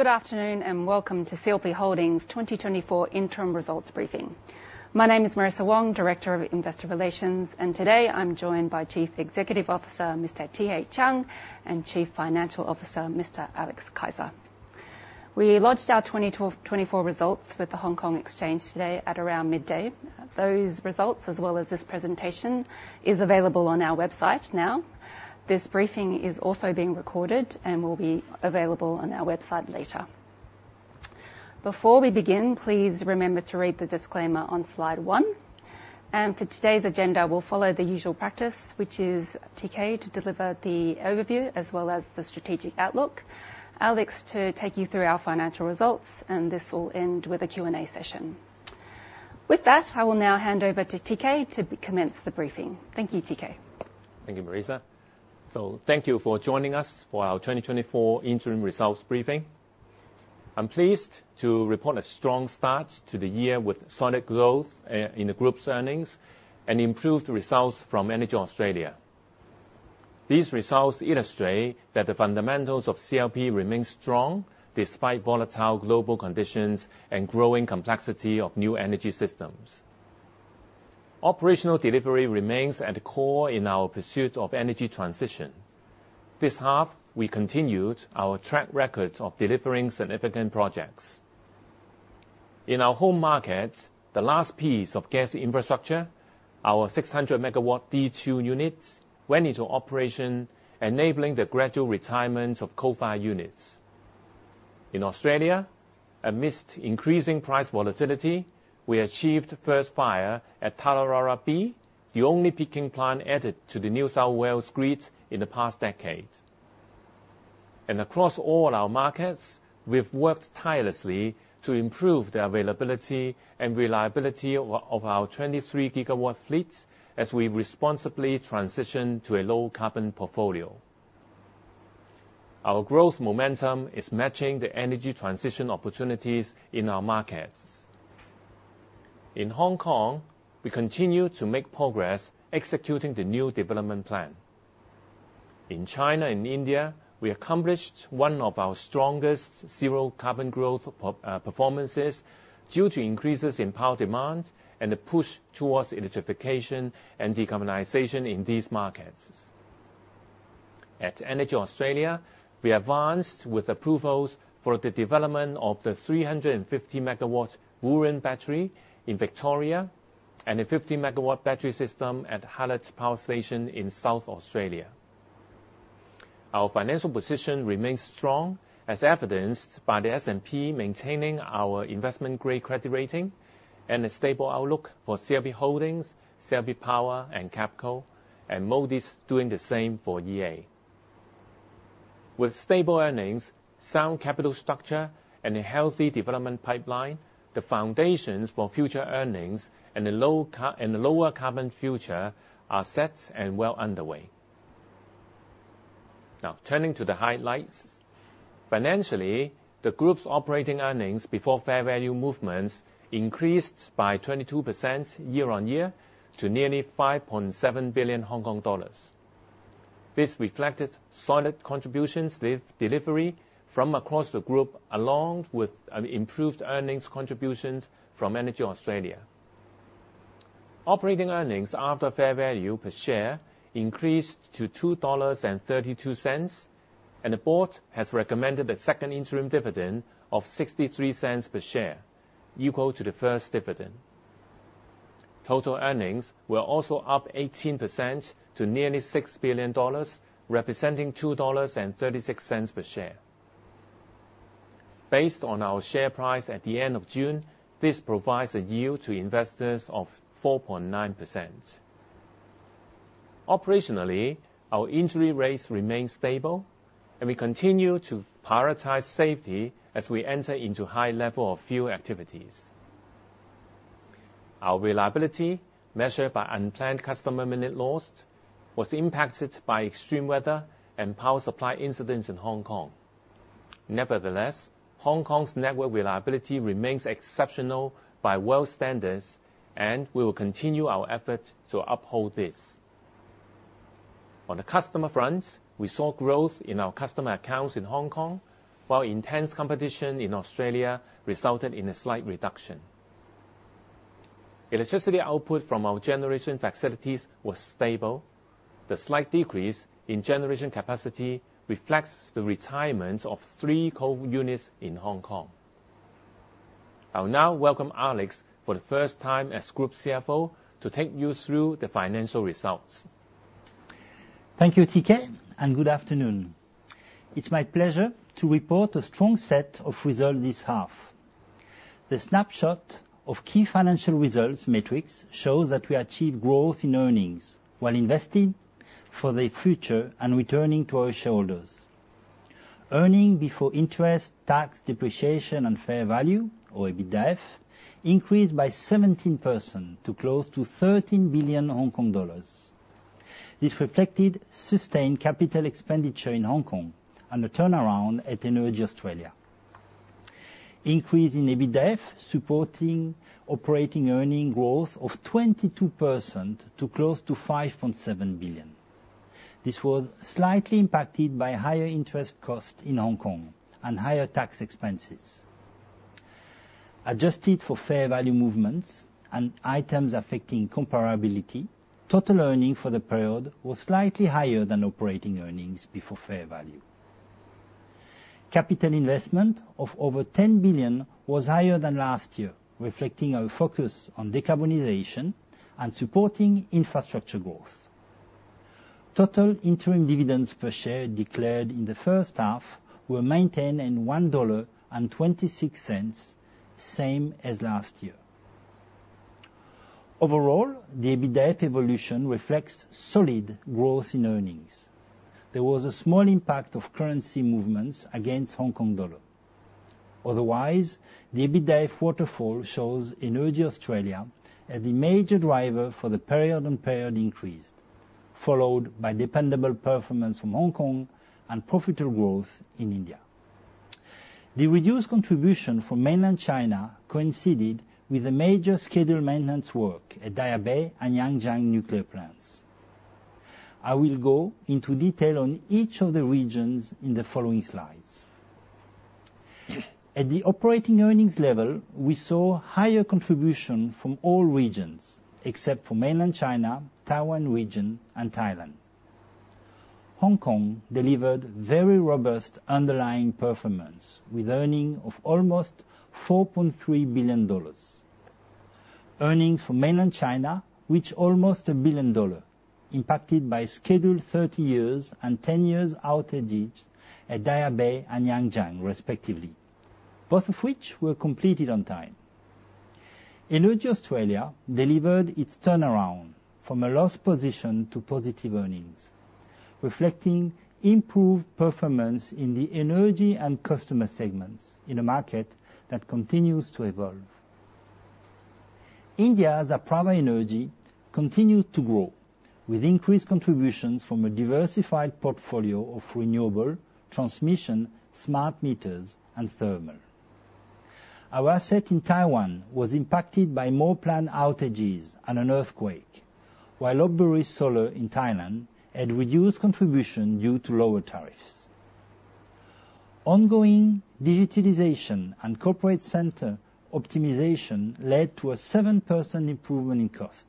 Good afternoon and welcome to CLP Holdings' 2024 Interim Results Briefing. My name is Marissa Wong, Director of Investor Relations, and today I'm joined by Chief Executive Officer Mr. T.K. Chiang and Chief Financial Officer Mr. Alex Bernhardt. We launched our 2024 results with the Hong Kong Exchange today at around midday. Those results, as well as this presentation, are available on our website now. This briefing is also being recorded and will be available on our website later. Before we begin, please remember to read the disclaimer on slide one. For today's agenda, we'll follow the usual practice, which is T.K. to deliver the overview as well as the strategic outlook. Alex, to take you through our financial results, and this will end with a Q&A session. With that, I will now hand over to T.K. to commence the briefing. Thank you, T.K. Thank you, Marissa. So thank you for joining us for our 2024 Interim Results Briefing. I'm pleased to report a strong start to the year with solid growth in the group's earnings and improved results from EnergyAustralia. These results illustrate that the fundamentals of CLP remain strong despite volatile global conditions and growing complexity of new energy systems. Operational delivery remains at the core in our pursuit of energy transition. This half, we continued our track record of delivering significant projects. In our home market, the last piece of gas infrastructure, our 600-MW D2 units, went into operation, enabling the gradual retirement of coal-fired units. In Australia, amidst increasing price volatility, we achieved first fire at Tallawarra B, the only peaking plant added to the New South Wales grid in the past decade. Across all our markets, we've worked tirelessly to improve the availability and reliability of our 23-GW fleet as we responsibly transition to a low-carbon portfolio. Our growth momentum is matching the energy transition opportunities in our markets. In Hong Kong, we continue to make progress executing the new development plan. In China and India, we accomplished one of our strongest zero-carbon growth performances due to increases in power demand and the push towards electrification and decarbonization in these markets. At EnergyAustralia, we advanced with approvals for the development of the 350-MW Wooreen battery in Victoria and a 50-MW battery system at Hallett Power Station in South Australia. Our financial position remains strong, as evidenced by the S&P maintaining our investment-grade credit rating and a stable outlook for CLP Holdings, CLP Power, and CAPCO, and Moody's doing the same for EA. With stable earnings, sound capital structure, and a healthy development pipeline, the foundations for future earnings and a lower-carbon future are set and well underway. Now, turning to the highlights. Financially, the group's operating earnings before fair value movements increased by 22% year-on-year to nearly HK$5.7 billion. This reflected solid contributions delivery from across the group, along with improved earnings contributions from EnergyAustralia. Operating earnings after fair value per share increased to HK$2.32, and the board has recommended a second interim dividend of HK$0.63 per share, equal to the first dividend. Total earnings were also up 18% to nearly HK$6 billion, representing HK$2.36 per share. Based on our share price at the end of June, this provides a yield to investors of 4.9%. Operationally, our injury rates remain stable, and we continue to prioritize safety as we enter into high-level fuel activities. Our reliability, measured by unplanned customer minute lost, was impacted by extreme weather and power supply incidents in Hong Kong. Nevertheless, Hong Kong's network reliability remains exceptional by world standards, and we will continue our effort to uphold this. On the customer front, we saw growth in our customer accounts in Hong Kong, while intense competition in Australia resulted in a slight reduction. Electricity output from our generation facilities was stable. The slight decrease in generation capacity reflects the retirement of three coal units in Hong Kong. I'll now welcome Alex for the first time as Group CFO to take you through the financial results. Thank you, T.K., and good afternoon. It's my pleasure to report a strong set of results this half. The snapshot of key financial results metrics shows that we achieved growth in earnings while investing for the future and returning to our shareholders. Earnings before interest, tax, depreciation, and fair value, or EBITDAF, increased by 17% to close to HK$13 billion. This reflected sustained capital expenditure in Hong Kong and a turnaround at EnergyAustralia. Increase in EBITDAF supporting operating earnings growth of 22% to close to HK$5.7 billion. This was slightly impacted by higher interest costs in Hong Kong and higher tax expenses. Adjusted for fair value movements and items affecting comparability, total earnings for the period were slightly higher than operating earnings before fair value. Capital investment of over HK$10 billion was higher than last year, reflecting our focus on decarbonization and supporting infrastructure growth. Total interim dividends per share declared in the first half were maintained at HK$1.26, same as last year. Overall, the EBITDAF evolution reflects solid growth in earnings. There was a small impact of currency movements against HK$. Otherwise, the EBITDAF waterfall shows EnergyAustralia as the major driver for the period-on-period increase, followed by dependable performance from Hong Kong and profitable growth in India. The reduced contribution from mainland China coincided with the major scheduled maintenance work at Daya Bay and Yangjiang nuclear plants. I will go into detail on each of the regions in the following slides. At the operating earnings level, we saw higher contribution from all regions except for mainland China, Taiwan region, and Thailand. Hong Kong delivered very robust underlying performance with earnings of almost HK$4.3 billion. Earnings for mainland China reached almost HK$1 billion, impacted by scheduled 30-year and 10-year out ages at Daya Bay and Yangjiang, respectively, both of which were completed on time. EnergyAustralia delivered its turnaround from a loss position to positive earnings, reflecting improved performance in the energy and customer segments in a market that continues to evolve. India's Apraava Energy continued to grow with increased contributions from a diversified portfolio of renewable, transmission, smart meters, and thermal. Our asset in Taiwan was impacted by more plant outages and an earthquake, while Lopburi Solar in Thailand had reduced contribution due to lower tariffs. Ongoing digitalization and corporate center optimization led to a 7% improvement in cost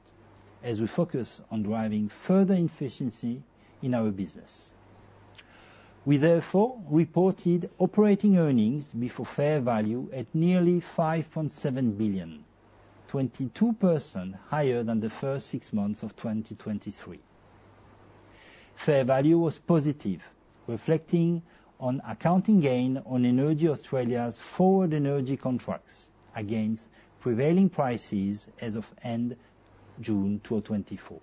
as we focus on driving further efficiency in our business. We therefore reported operating earnings before fair value at nearly HK$5.7 billion, 22% higher than the first six months of 2023. Fair value was positive, reflecting an accounting gain on EnergyAustralia's forward energy contracts against prevailing prices as of end June 2024.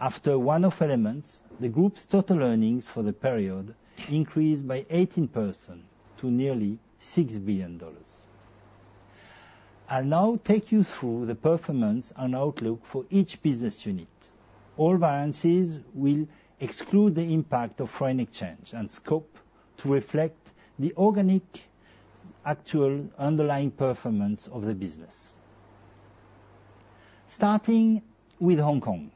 After one-off elements, the group's total earnings for the period increased by 18% to nearly HK$6 billion. I'll now take you through the performance and outlook for each business unit. All variances will exclude the impact of foreign exchange and scope to reflect the organic actual underlying performance of the business. Starting with Hong Kong,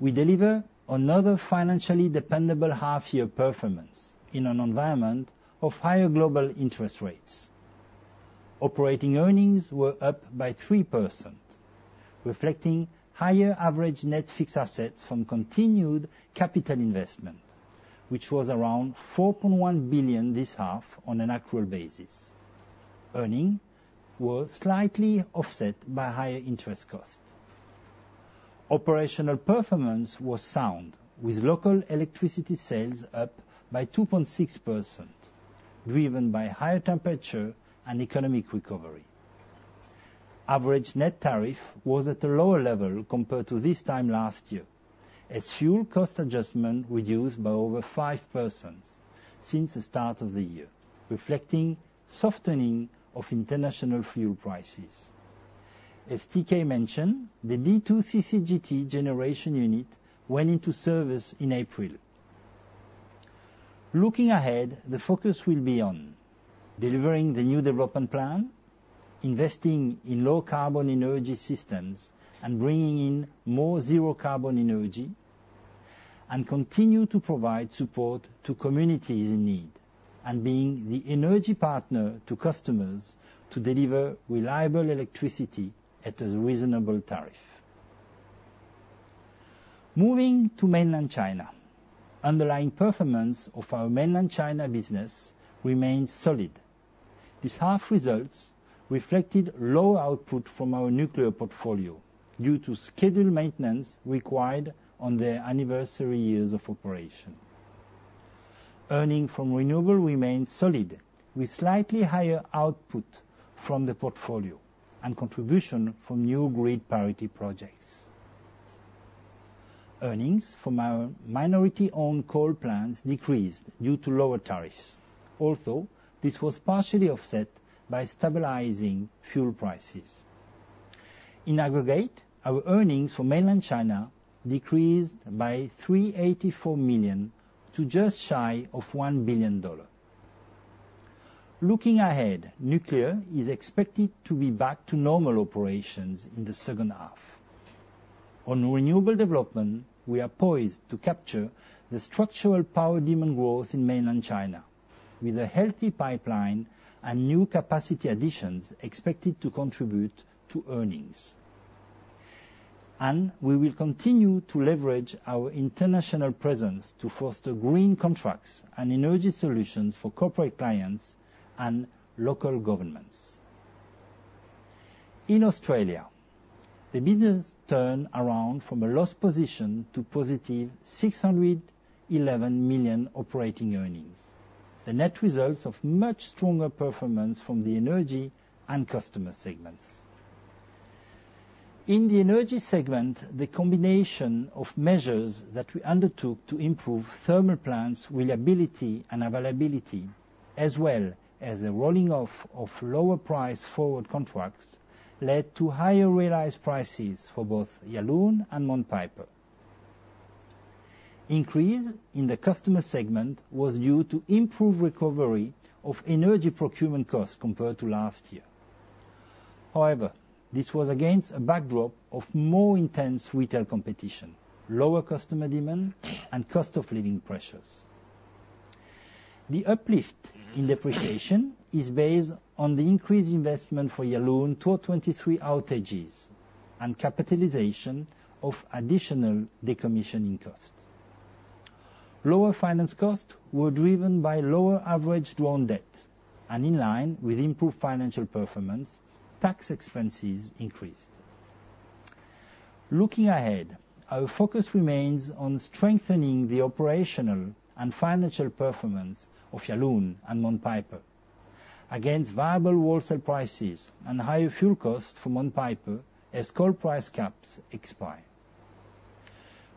we delivered another financially dependable half-year performance in an environment of higher global interest rates. Operating earnings were up by 3%, reflecting higher average net fixed assets from continued capital investment, which was around HK$4.1 billion this half on an actual basis. Earnings were slightly offset by higher interest costs. Operational performance was sound, with local electricity sales up by 2.6%, driven by higher temperature and economic recovery. Average net tariff was at a lower level compared to this time last year, as fuel cost adjustment reduced by over 5% since the start of the year, reflecting softening of international fuel prices. As T.K. mentioned, the D2 CCGT generation unit went into service in April. Looking ahead, the focus will be on delivering the new development plan, investing in low-carbon energy systems and bringing in more zero-carbon energy, and continue to provide support to communities in need and being the energy partner to customers to deliver reliable electricity at a reasonable tariff. Moving to mainland China, underlying performance of our mainland China business remained solid. This half-result reflected low output from our nuclear portfolio due to scheduled maintenance required on the anniversary years of operation. Earnings from renewable remained solid, with slightly higher output from the portfolio and contribution from new grid parity projects. Earnings from our minority-owned coal plants decreased due to lower tariffs. Also, this was partially offset by stabilizing fuel prices. In aggregate, our earnings for mainland China decreased by HK$384 million to just shy of HK$1 billion. Looking ahead, nuclear is expected to be back to normal operations in the second half. On renewable development, we are poised to capture the structural power demand growth in mainland China, with a healthy pipeline and new capacity additions expected to contribute to earnings. And we will continue to leverage our international presence to foster green contracts and energy solutions for corporate clients and local governments. In Australia, the business turned around from a loss position to positive HK$611 million operating earnings, the net result of much stronger performance from the energy and customer segments. In the energy segment, the combination of measures that we undertook to improve thermal plants' reliability and availability, as well as the rolling off of lower-price forward contracts, led to higher realized prices for both Yallourn and Mount Piper. Increase in the customer segment was due to improved recovery of energy procurement costs compared to last year. However, this was against a backdrop of more intense retail competition, lower customer demand, and cost-of-living pressures. The uplift in depreciation is based on the increased investment for Yallourn 2023 outages and capitalization of additional decommissioning costs. Lower finance costs were driven by lower average drawn debt, and in line with improved financial performance, tax expenses increased. Looking ahead, our focus remains on strengthening the operational and financial performance of Yallourn and Mount Piper against viable wholesale prices and higher fuel costs for Mount Piper as coal price caps expire.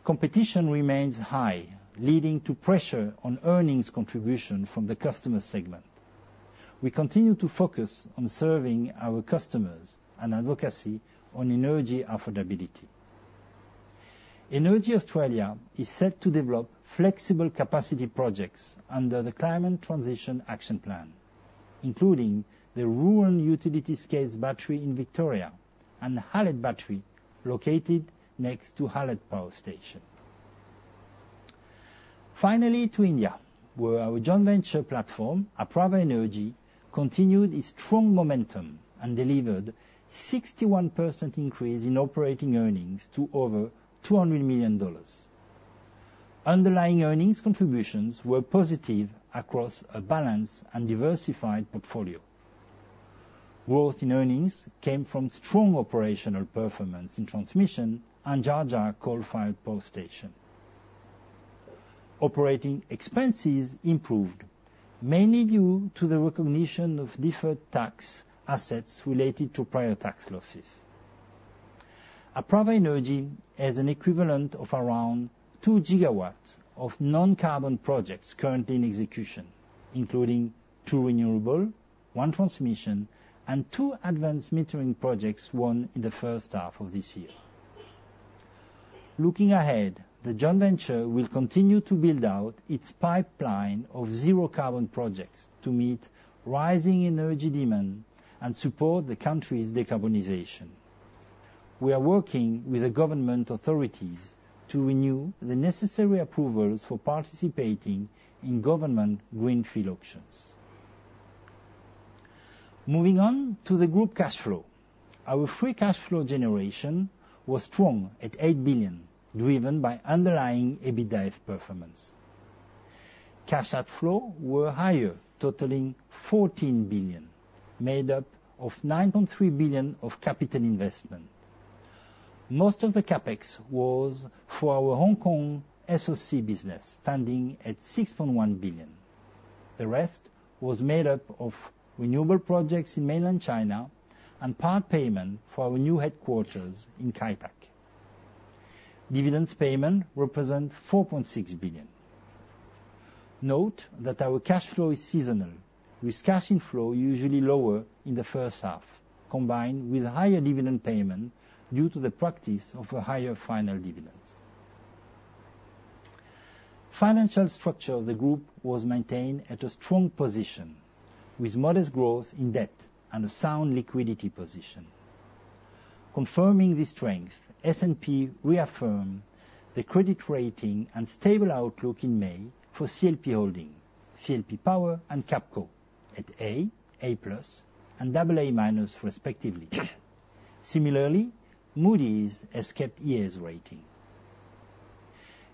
Competition remains high, leading to pressure on earnings contribution from the customer segment. We continue to focus on serving our customers and advocacy on energy affordability. EnergyAustralia is set to develop flexible capacity projects under the Climate Transition Action Plan, including the Wooreen Utility-scales battery in Victoria and the Hallett battery located next to Hallett Power Station. Finally, to India, where our joint venture platform, Apraava Energy, continued its strong momentum and delivered a 61% increase in operating earnings to over 200 million dollars. Underlying earnings contributions were positive across a balanced and diversified portfolio. Growth in earnings came from strong operational performance in transmission and Jhajjar coal-fired power station. Operating expenses improved, mainly due to the recognition of deferred tax assets related to prior tax losses. Apraava Energy has an equivalent of around 2 GW of non-carbon projects currently in execution, including 2 renewable, 1 transmission, and 2 advanced metering projects won in the first half of this year. Looking ahead, the joint venture will continue to build out its pipeline of zero-carbon projects to meet rising energy demand and support the country's decarbonization. We are working with the government authorities to renew the necessary approvals for participating in government greenfield auctions. Moving on to the group cash flow, our free cash flow generation was strong at 8 billion, driven by underlying EBITDAF performance. Cash outflow was higher, totaling 14 billion, made up of 9.3 billion of capital investment. Most of the CAPEX was for our Hong Kong SOC business, standing at 6.1 billion. The rest was made up of renewable projects in mainland China and part payment for our new headquarters in Kai Tak. Dividend payment represents HK$4.6 billion. Note that our cash flow is seasonal, with cash inflow usually lower in the first half, combined with higher dividend payment due to the practice of a higher final dividend. Financial structure of the group was maintained at a strong position, with modest growth in debt and a sound liquidity position. Confirming this strength, S&P reaffirmed the credit rating and stable outlook in May for CLP Holdings, CLP Power, and CAPCO at A, A+, and AA-, respectively. Similarly, Moody's has kept EA's rating.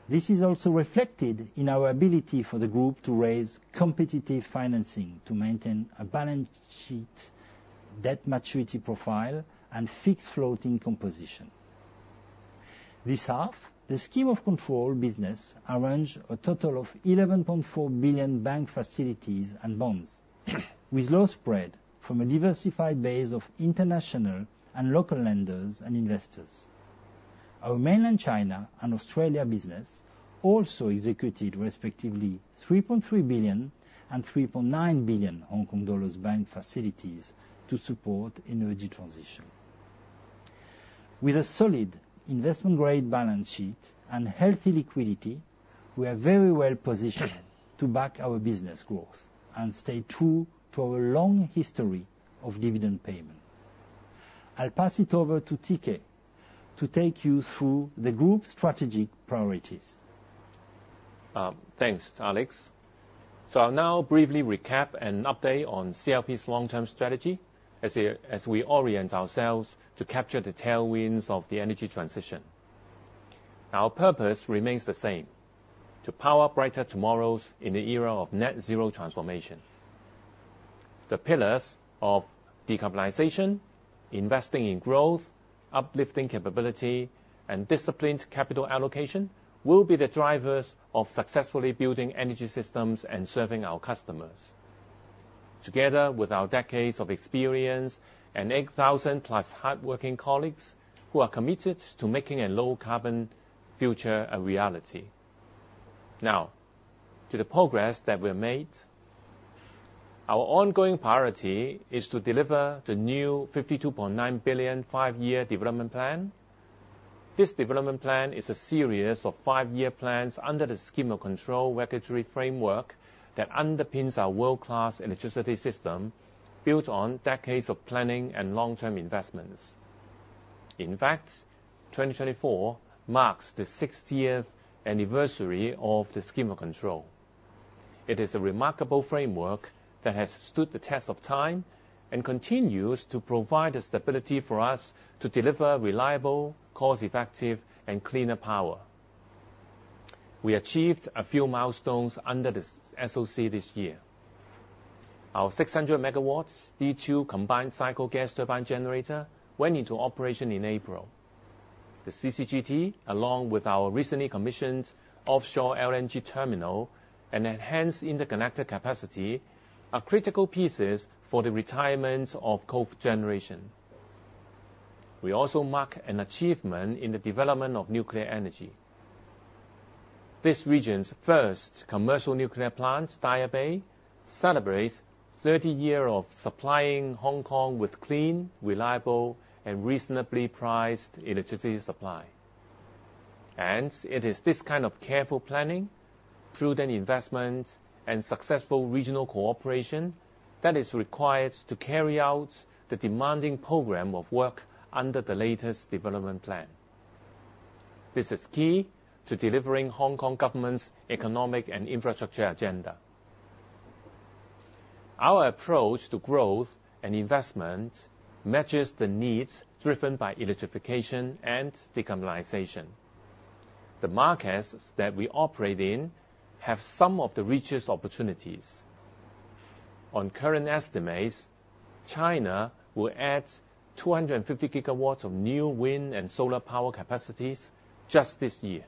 This is also reflected in our ability for the group to raise competitive financing to maintain a balance sheet, debt maturity profile, and fixed floating composition. This half, the Scheme of Control business arranged a total of HK$11.4 billion bank facilities and bonds, with low spread from a diversified base of international and local lenders and investors. Our mainland China and Australia business also executed, respectively, HK$3.3 billion and HK$3.9 billion bank facilities to support energy transition. With a solid investment-grade balance sheet and healthy liquidity, we are very well positioned to back our business growth and stay true to our long history of dividend payment. I'll pass it over to T.K. to take you through the group's strategic priorities. Thanks, Alex. So I'll now briefly recap and update on CLP's long-term strategy as we orient ourselves to capture the tailwinds of the energy transition. Our purpose remains the same: to power brighter tomorrows in the era of net zero transformation. The pillars of decarbonization, investing in growth, uplifting capability, and disciplined capital allocation will be the drivers of successfully building energy systems and serving our customers, together with our decades of experience and 8,000-plus hardworking colleagues who are committed to making a low-carbon future a reality. Now, to the progress that we have made. Our ongoing priority is to deliver the new 52.9 billion five-year development plan. This development plan is a series of five-year plans under the Scheme of Control regulatory framework that underpins our world-class electricity system, built on decades of planning and long-term investments. In fact, 2024 marks the 60th anniversary of the Scheme of Control. It is a remarkable framework that has stood the test of time and continues to provide the stability for us to deliver reliable, cost-effective, and cleaner power. We achieved a few milestones under the SOC this year. Our 600-MW D2 combined cycle gas turbine generator went into operation in April. The CCGT, along with our recently commissioned offshore LNG terminal and enhanced interconnector capacity, are critical pieces for the retirement of coal generation. We also mark an achievement in the development of nuclear energy. This region's first commercial nuclear plant, Daya Bay, celebrates 30 years of supplying Hong Kong with clean, reliable, and reasonably priced electricity supply. It is this kind of careful planning, prudent investment, and successful regional cooperation that is required to carry out the demanding program of work under the latest development plan. This is key to delivering Hong Kong government's economic and infrastructure agenda. Our approach to growth and investment matches the needs driven by electrification and decarbonization. The markets that we operate in have some of the richest opportunities. On current estimates, China will add 250 GW of new wind and solar power capacities just this year.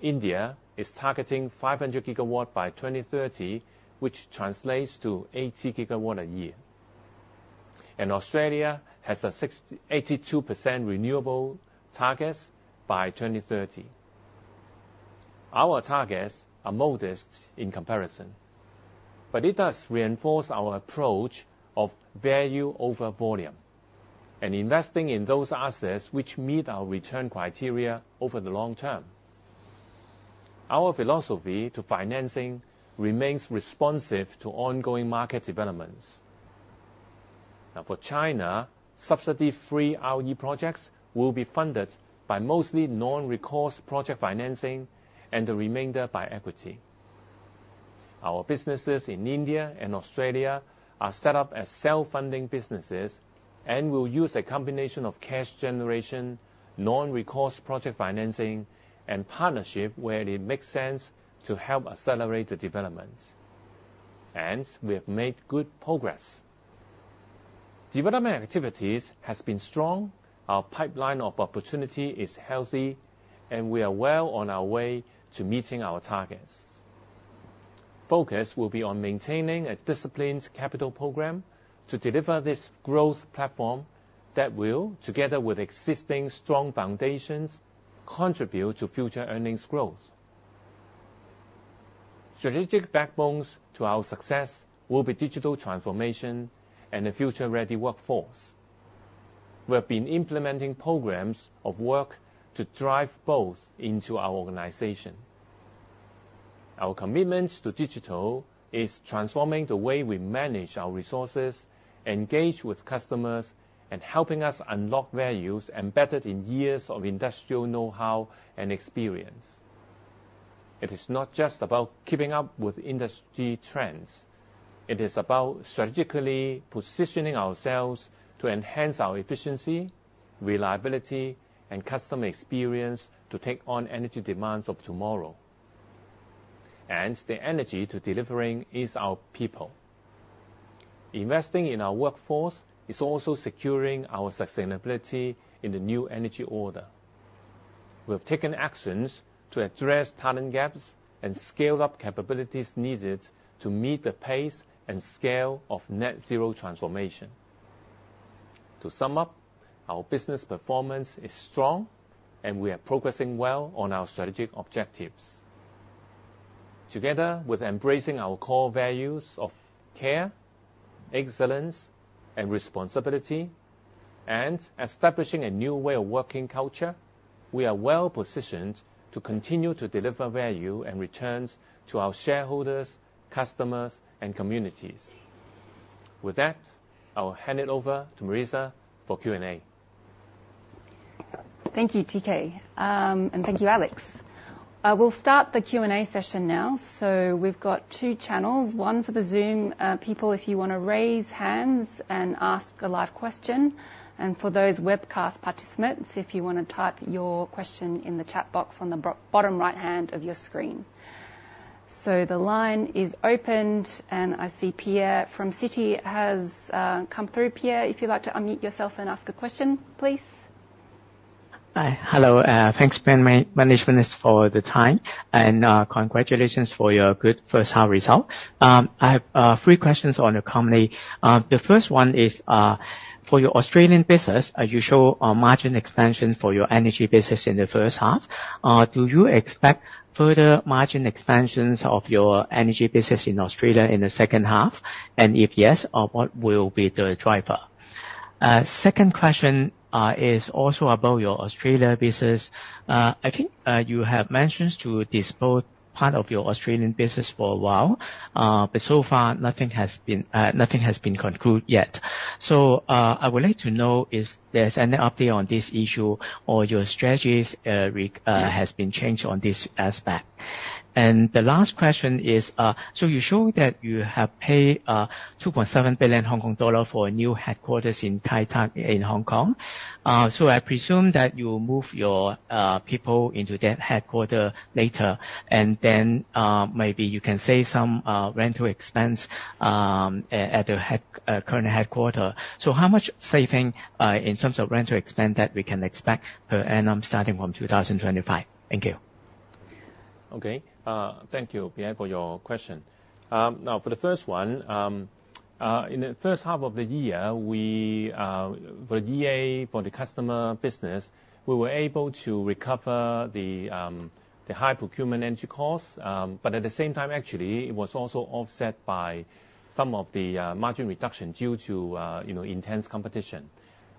India is targeting 500 GW by 2030, which translates to 80 GW a year. Australia has an 82% renewable target by 2030. Our targets are modest in comparison, but it does reinforce our approach of value over volume and investing in those assets which meet our return criteria over the long term. Our philosophy to financing remains responsive to ongoing market developments. Now, for China, subsidy-free RE projects will be funded by mostly non-recourse project financing and the remainder by equity. Our businesses in India and Australia are set up as self-funding businesses and will use a combination of cash generation, non-recourse project financing, and partnership where it makes sense to help accelerate the developments. We have made good progress. Development activities have been strong, our pipeline of opportunity is healthy, and we are well on our way to meeting our targets. Focus will be on maintaining a disciplined capital program to deliver this growth platform that will, together with existing strong foundations, contribute to future earnings growth. Strategic backbones to our success will be digital transformation and a future-ready workforce. We have been implementing programs of work to drive both into our organization. Our commitment to digital is transforming the way we manage our resources, engage with customers, and helping us unlock values embedded in years of industrial know-how and experience. It is not just about keeping up with industry trends. It is about strategically positioning ourselves to enhance our efficiency, reliability, and customer experience to take on energy demands of tomorrow. And the energy to delivering is our people. Investing in our workforce is also securing our sustainability in the new energy order. We have taken actions to address talent gaps and scaled-up capabilities needed to meet the pace and scale of net zero transformation. To sum up, our business performance is strong, and we are progressing well on our strategic objectives. Together with embracing our core values of care, excellence, and responsibility, and establishing a new way of working culture, we are well positioned to continue to deliver value and returns to our shareholders, customers, and communities. With that, I'll hand it over to Marissa for Q&A. Thank you, T.K., and thank you, Alex. We'll start the Q&A session now. So we've got two channels, one for the Zoom people if you want to raise hands and ask a live question, and for those webcast participants, if you want to type your question in the chat box on the bottom right hand of your screen. So the line is opened, and I see Pierre from Citi has come through. Pierre, if you'd like to unmute yourself and ask a question, please. Hello. Thanks, Management, for the time, and congratulations for your good first-half result. I have three questions on the company. The first one is for your Australian business, a usual margin expansion for your energy business in the first half. Do you expect further margin expansions of your energy business in Australia in the second half? And if yes, what will be the driver? Second question is also about your Australian business. I think you have mentioned this part of your Australian business for a while, but so far, nothing has been concluded yet. So I would like to know if there's any update on this issue or your strategies have been changed on this aspect. And the last question is, so you show that you have paid HK$2.7 billion for a new headquarters in Kai Tak in Hong Kong. So I presume that you will move your people into that headquarters later, and then maybe you can save some rental expense at the current headquarters. So how much saving in terms of rental expense that we can expect per annum starting from 2025? Thank you. Okay. Thank you, Pierre, for your question. Now, for the first one, in the first half of the year, for the DA, for the customer business, we were able to recover the high procurement energy costs, but at the same time, actually, it was also offset by some of the margin reduction due to intense competition.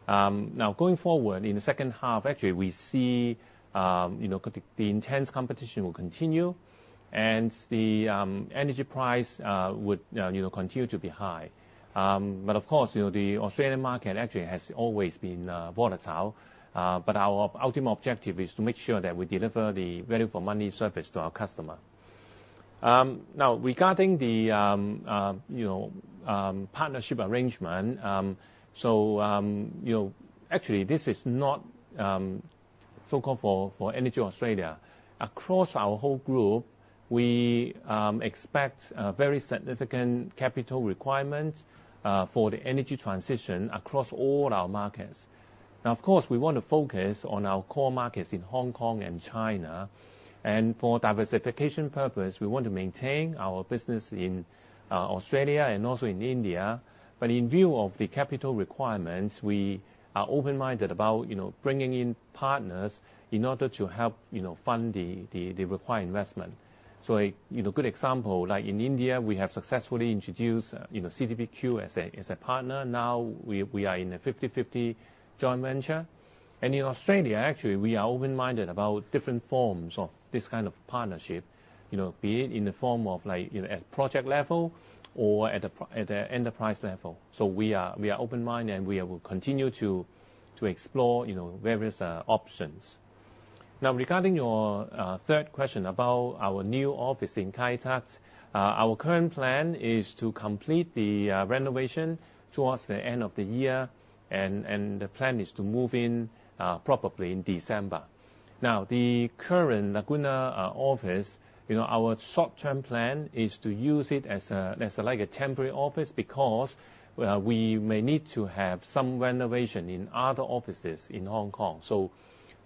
Now, going forward in the second half, actually, we see the intense competition will continue, and the energy price would continue to be high. But of course, the Australian market actually has always been volatile, but our ultimate objective is to make sure that we deliver the value for money service to our customer. Now, regarding the partnership arrangement, so actually, this is not so-called for EnergyAustralia. Across our whole group, we expect very significant capital requirements for the energy transition across all our markets. Now, of course, we want to focus on our core markets in Hong Kong and China. And for diversification purposes, we want to maintain our business in Australia and also in India. But in view of the capital requirements, we are open-minded about bringing in partners in order to help fund the required investment. So a good example, like in India, we have successfully introduced CDPQ as a partner. Now, we are in a 50/50 joint venture. And in Australia, actually, we are open-minded about different forms of this kind of partnership, be it in the form of at project level or at the enterprise level. So we are open-minded, and we will continue to explore various options. Now, regarding your third question about our new office in Kai Tak, our current plan is to complete the renovation towards the end of the year, and the plan is to move in probably in December. Now, the current Laguna office, our short-term plan is to use it as a temporary office because we may need to have some renovation in other offices in Hong Kong.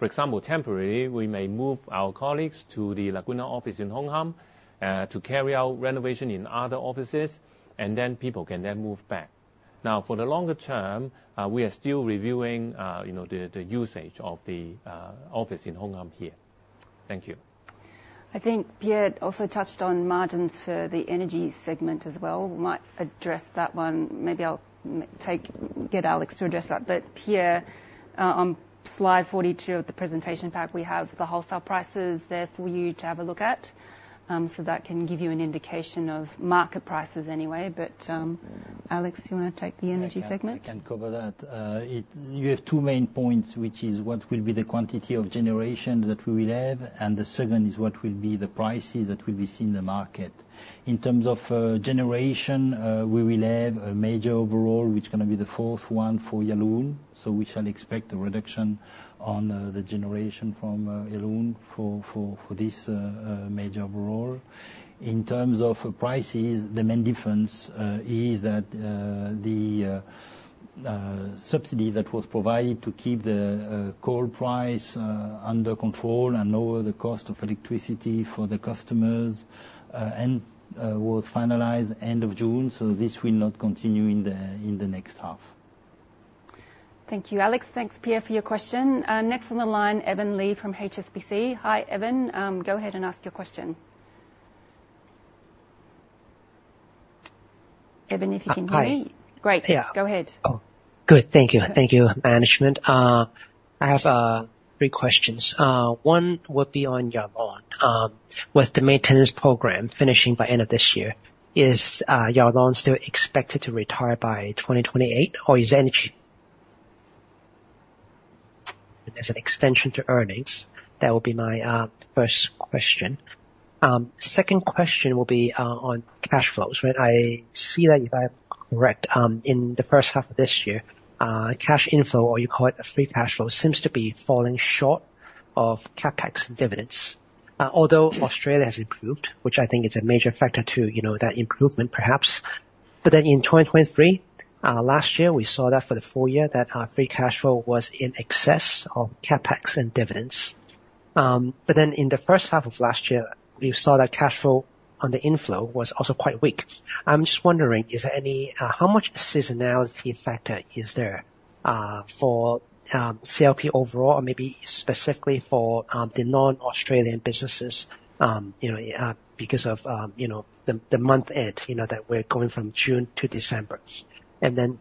So, for example, temporarily, we may move our colleagues to the Laguna office in Hong Kong to carry out renovation in other offices, and then people can then move back. Now, for the longer term, we are still reviewing the usage of the office in Hong Kong here. Thank you. I think Pierre also touched on margins for the energy segment as well. We might address that one. Maybe I'll get Alex to address that. But Pierre, on slide 42 of the presentation pack, we have the wholesale prices there for you to have a look at. So that can give you an indication of market prices anyway. But Alex, do you want to take the energy segment? I can cover that. You have two main points, which is what will be the quantity of generation that we will have, and the second is what will be the prices that will be seen in the market. In terms of generation, we will have a major overhaul, which is going to be the fourth one for Yallourn. So we shall expect a reduction on the generation from Yallourn for this major overhaul. In terms of prices, the main difference is that the subsidy that was provided to keep the coal price under control and lower the cost of electricity for the customers was finalized end of June. So this will not continue in the next half. Thank you, Alex. Thanks, Pierre, for your question. Next on the line, Evan Li from HSBC. Hi, Evan. Go ahead and ask your question. Evan, if you can hear me. Hi. Great. Go ahead. Good. Thank you. Thank you, Management. I have three questions. One would be on Yallourn. With the maintenance program finishing by end of this year, is Yallourn still expected to retire by 2028, or is energy an extension to earnings? That would be my first question. Second question will be on cash flows. I see that, if I'm correct, in the first half of this year, cash inflow, or you call it a free cash flow, seems to be falling short of CapEx and dividends. Although Australia has improved, which I think is a major factor to that improvement, perhaps. But then in 2023, last year, we saw that for the full year that our free cash flow was in excess of CapEx and dividends. But then in the first half of last year, we saw that cash flow on the inflow was also quite weak. I'm just wondering, how much seasonality factor is there for CLP overall, or maybe specifically for the non-Australian businesses because of the month-end that we're going from June to December? And then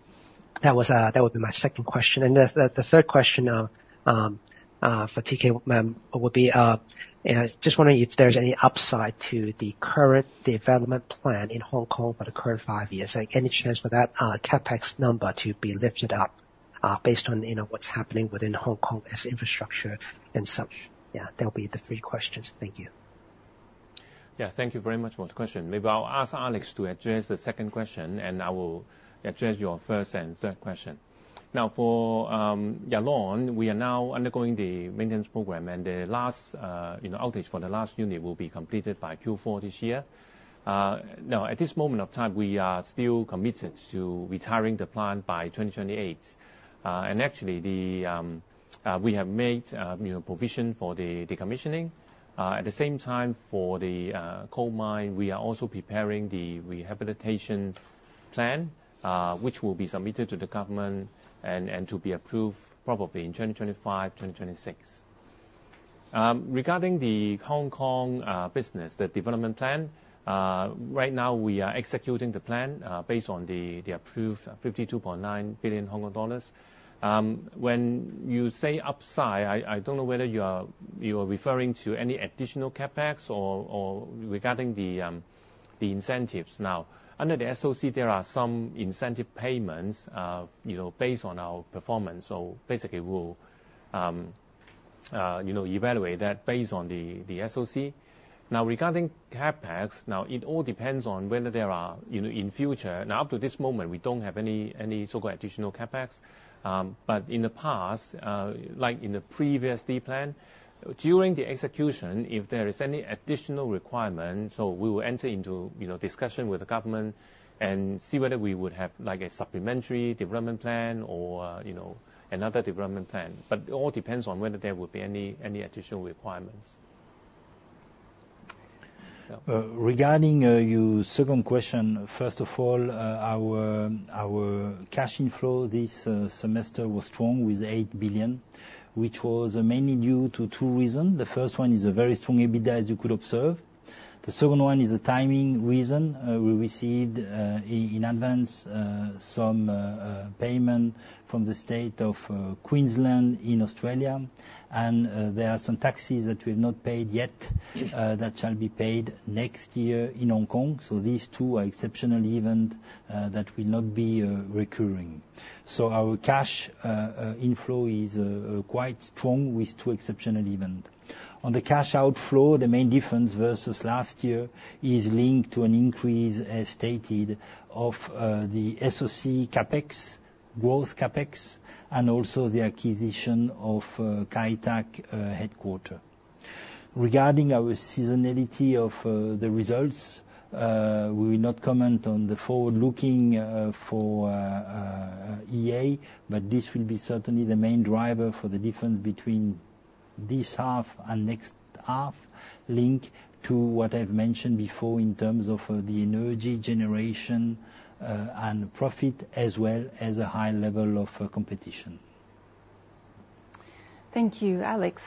that would be my second question. And the third question for T.K. Would be, just wondering if there's any upside to the current development plan in Hong Kong for the current five years. Any chance for that CapEx number to be lifted up based on what's happening within Hong Kong as infrastructure and such? Yeah, that will be the three questions. Thank you. Yeah, thank you very much for the question. Maybe I'll ask Alex to address the second question, and I will address your first and third question. Now, for Yallourn, we are now undergoing the maintenance program, and the last outage for the last unit will be completed by Q4 this year. Now, at this moment of time, we are still committed to retiring the plant by 2028. And actually, we have made provision for the decommissioning. At the same time, for the coal mine, we are also preparing the rehabilitation plan, which will be submitted to the government and to be approved probably in 2025, 2026. Regarding the Hong Kong business, the development plan, right now, we are executing the plan based on the approved 52.9 billion Hong Kong dollars. When you say upside, I don't know whether you are referring to any additional CapEx or regarding the incentives. Now, under the SOC, there are some incentive payments based on our performance. So basically, we'll evaluate that based on the SOC. Now, regarding CapEx, now, it all depends on whether there are in future. Now, up to this moment, we don't have any so-called additional CapEx. In the past, like in the previous D plan, during the execution, if there is any additional requirement, so we will enter into discussion with the government and see whether we would have a supplementary development plan or another development plan. It all depends on whether there will be any additional requirements. Regarding your second question, first of all, our cash inflow this semester was strong with 8 billion, which was mainly due to two reasons. The first one is a very strong EBITDA, as you could observe. The second one is a timing reason. We received in advance some payment from the state of Queensland in Australia. There are some taxes that we have not paid yet that shall be paid next year in Hong Kong. So these two are exceptional events that will not be recurring. So our cash inflow is quite strong with two exceptional events. On the cash outflow, the main difference versus last year is linked to an increase, as stated, of the SOC CapEx, growth CapEx, and also the acquisition of Kai Tak headquarters. Regarding our seasonality of the results, we will not comment on the forward-looking for EA, but this will be certainly the main driver for the difference between this half and next half linked to what I've mentioned before in terms of the energy generation and profit, as well as a high level of competition. Thank you, Alex.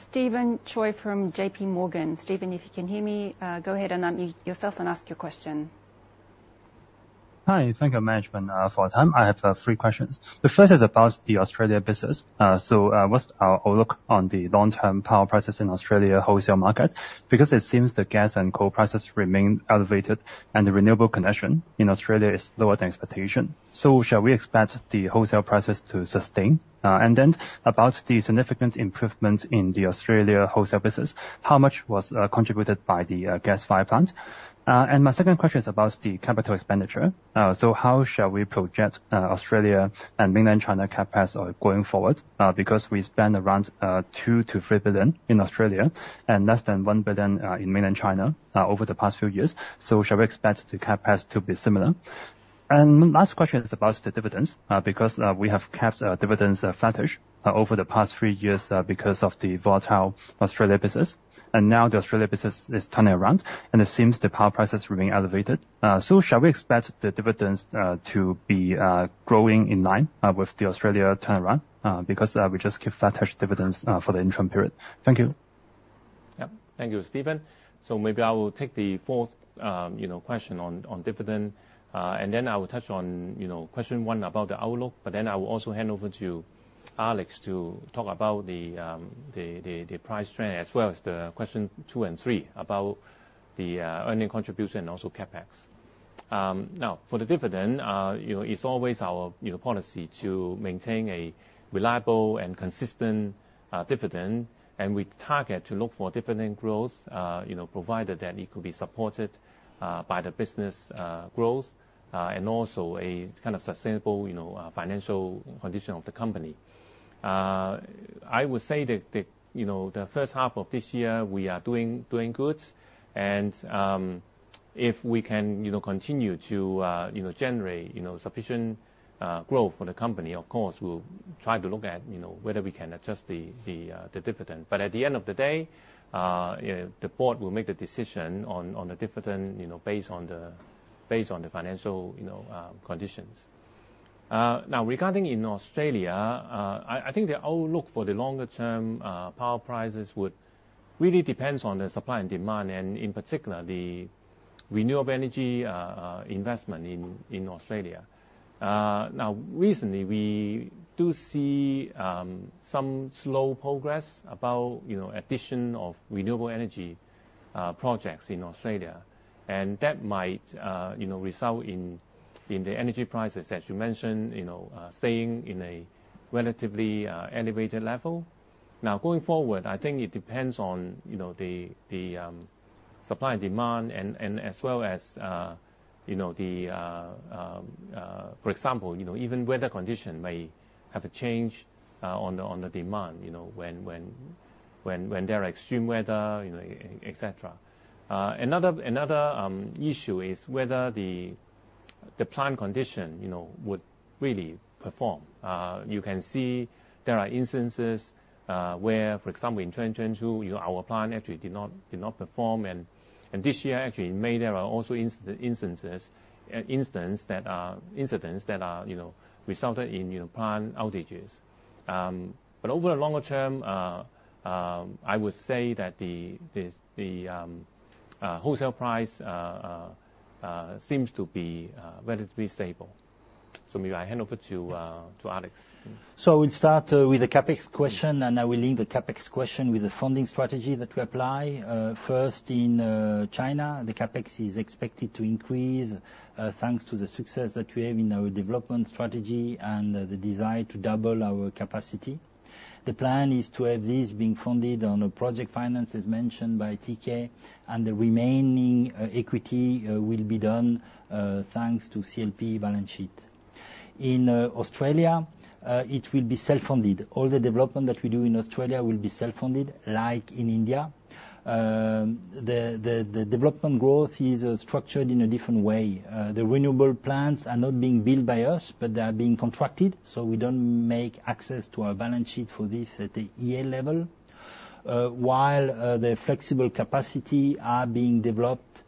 Stephen Tsui from J.P. Morgan. Stephen, if you can hear me, go ahead and unmute yourself and ask your question. Hi. Thank you, Management, for the time. I have three questions. The first is about the Australia business. So what's our outlook on the long-term power prices in Australia wholesale market? Because it seems the gas and coal prices remain elevated, and the renewable connection in Australia is lower than expectation. So shall we expect the wholesale prices to sustain? And then about the significant improvements in the Australia wholesale business, how much was contributed by the gas-fired plant? And my second question is about the capital expenditure. So how shall we project Australia and mainland China CapEx going forward? Because we spend around HK$2-HK$3 billion in Australia and less than HK$1 billion in mainland China over the past 3 years. So shall we expect the CapEx to be similar? And my last question is about the dividends, because we have kept dividends flat over the past 3 years because of the volatile Australia business. And now the Australia business is turning around, and it seems the power prices remain elevated. So shall we expect the dividends to be growing in line with the Australia turnaround? Because we just keep flat dividends for the interim period. Thank you. Yeah, thank you, Stephen. Maybe I will take the fourth question on dividend. Then I will touch on question one about the outlook. I will also hand over to Alex to talk about the price trend, as well as the question two and three about the earnings contribution and also CapEx. Now, for the dividend, it's always our policy to maintain a reliable and consistent dividend. We target to look for dividend growth, provided that it could be supported by the business growth and also a kind of sustainable financial condition of the company. I would say that the first half of this year, we are doing good. And if we can continue to generate sufficient growth for the company, of course, we'll try to look at whether we can adjust the dividend. But at the end of the day, the board will make the decision on the dividend based on the financial conditions. Now, regarding in Australia, I think the outlook for the longer-term power prices would really depend on the supply and demand, and in particular, the renewable energy investment in Australia. Now, recently, we do see some slow progress about addition of renewable energy projects in Australia. And that might result in the energy prices, as you mentioned, staying in a relatively elevated level. Now, going forward, I think it depends on the supply and demand, and as well as the, for example, even weather conditions may have a change on the demand when there are extreme weather, etc. Another issue is whether the plant condition would really perform. You can see there are instances where, for example, in 2022, our plant actually did not perform. And this year, actually, in May, there are also incidents that resulted in plant outages. But over the longer term, I would say that the wholesale price seems to be relatively stable. So maybe I hand over to Alex. So we'll start with the CapEx question, and I will link the CapEx question with the funding strategy that we apply. First, in China, the CapEx is expected to increase thanks to the success that we have in our development strategy and the desire to double our capacity. The plan is to have this being funded on a project finance as mentioned by T.K., and the remaining equity will be done thanks to CLP balance sheet. In Australia, it will be self-funded. All the development that we do in Australia will be self-funded, like in India. The development growth is structured in a different way. The renewable plants are not being built by us, but they are being contracted. So we don't make access to our balance sheet for this at the EA level, while the flexible capacity is being developed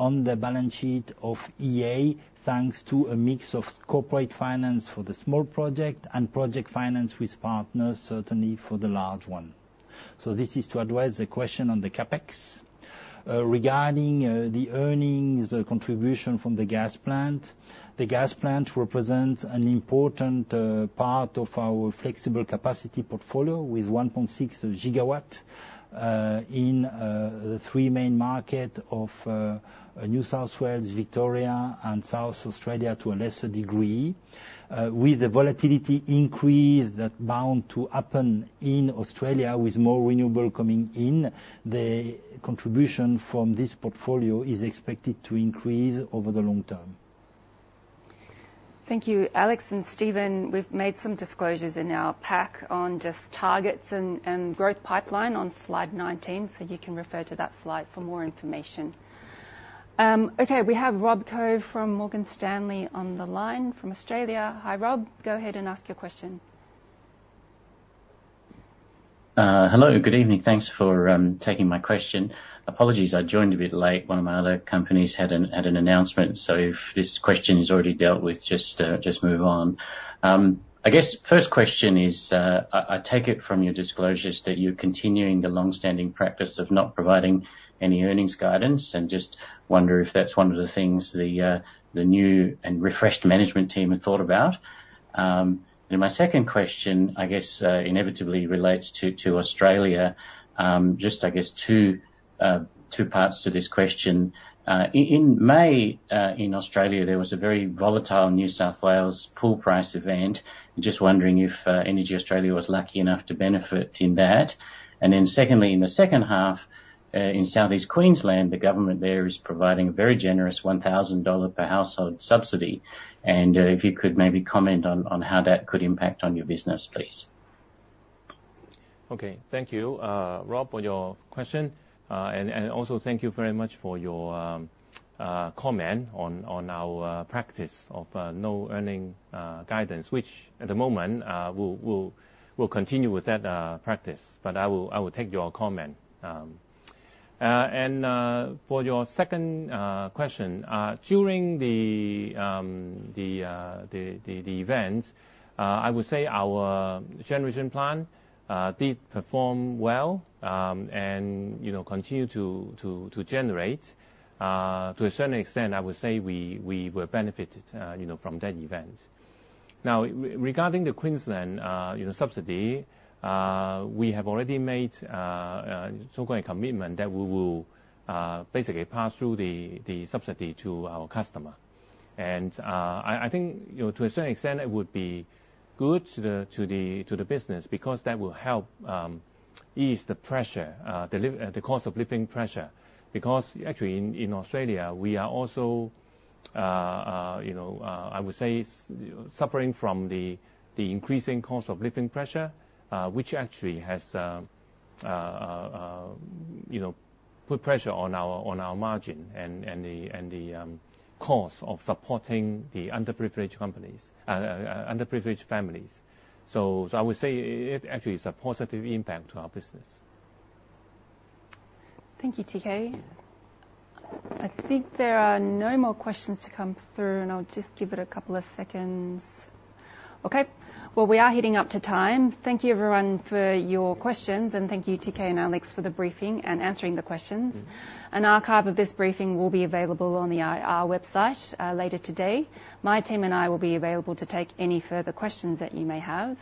on the balance sheet of EA thanks to a mix of corporate finance for the small project and project finance with partners, certainly for the large one. So this is to address the question on the CapEx. Regarding the earnings contribution from the gas plant, the gas plant represents an important part of our flexible capacity portfolio with 1.6 GW in the three main markets of New South Wales, Victoria, and South Australia to a lesser degree. With the volatility increase that bound to happen in Australia with more renewable coming in, the contribution from this portfolio is expected to increase over the long term. Thank you, Alex. And Stephen, we've made some disclosures in our pack on just targets and growth pipeline on slide 19, so you can refer to that slide for more information. Okay, we have Rob Koh from Morgan Stanley on the line from Australia. Hi, Rob. Go ahead and ask your question. Hello. Good evening. Thanks for taking my question. Apologies, I joined a bit late. One of my other companies had an announcement. So if this question is already dealt with, just move on. I guess first question is, I take it from your disclosures that you're continuing the long-standing practice of not providing any earnings guidance and just wonder if that's one of the things the new and refreshed management team had thought about. And my second question, I guess, inevitably relates to Australia. Just, I guess, two parts to this question. In May, in Australia, there was a very volatile New South Wales pool price event. Just wondering if EnergyAustralia was lucky enough to benefit in that. And then secondly, in the second half, in Southeast Queensland, the government there is providing a very generous 1,000 dollar per household subsidy. And if you could maybe comment on how that could impact on your business, please. Okay, thank you, Rob, for your question. And also, thank you very much for your comment on our practice of no earnings guidance, which at the moment we'll continue with that practice. But I will take your comment. For your second question, during the event, I would say our generation plant did perform well and continued to generate. To a certain extent, I would say we were benefited from that event. Now, regarding the Queensland subsidy, we have already made a commitment that we will basically pass through the subsidy to our customer. And I think to a certain extent, it would be good to the business because that will help ease the pressure, the cost of living pressure. Because actually, in Australia, we are also, I would say, suffering from the increasing cost of living pressure, which actually has put pressure on our margin and the cost of supporting the underprivileged families. So I would say it actually is a positive impact to our business. Thank you, T.K. I think there are no more questions to come through, and I'll just give it a couple of seconds. Okay. Well, we are heading up to time. Thank you, everyone, for your questions. And thank you, T.K. and Alex, for the briefing and answering the questions. An archive of this briefing will be available on our website later today. My team and I will be available to take any further questions that you may have.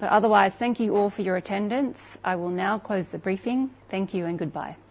But otherwise, thank you all for your attendance. I will now close the briefing. Thank you and goodbye.